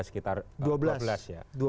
sekitar dua belas ya